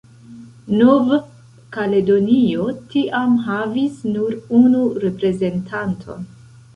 Nov-Kaledonio tiam havis nur unu reprezentanton.